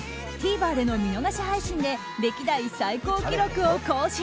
ＴＶｅｒでの見逃し配信で歴代最高記録を更新。